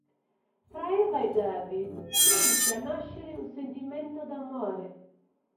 Fra Eva e David inizia a nascere un sentimento d'amore.